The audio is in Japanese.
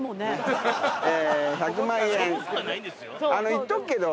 言っとくけど。